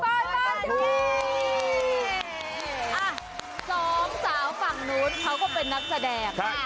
สองสาวฝั่งนู้นเขาก็เป็นนักแสดง